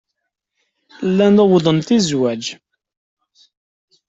Llant uwḍent-d i zzwaj.